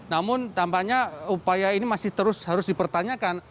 namun tampaknya upaya ini masih terus harus dipertanyakan